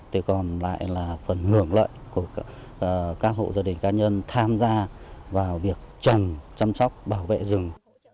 thì còn lại là phần hưởng lợi của các hộ gia đình cá nhân tham gia vào việc trồng chăm sóc bảo vệ rừng